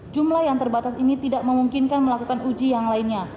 jumlah yang terbatas ini tidak memungkinkan melakukan uji yang lainnya